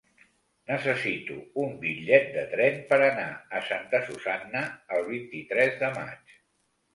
Necessito un bitllet de tren per anar a Santa Susanna el vint-i-tres de maig.